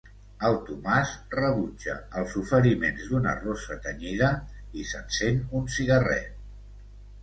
El Tomàs rebutja els oferiments d'una rossa tenyida i s'encén un cigarret.